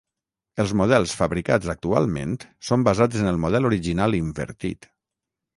Els models fabricats actualment, són basats en el model original invertit.